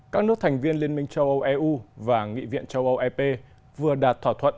các nước thành viên liên minh châu âu eu và nghị viện châu âu ep vừa đạt thỏa thuận